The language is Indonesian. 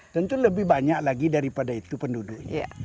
tentu lebih banyak lagi daripada itu penduduknya